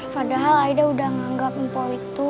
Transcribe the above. padahal aida udah nganggap mpau itu